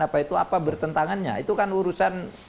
apa itu apa bertentangannya itu kan urusan